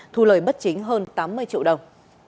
thu lời bất chính hơn tám mươi triệu đồng